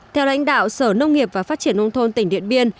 theo lãnh đạo sở nông nghiệp và phát triển nông thôn tỉnh điện biên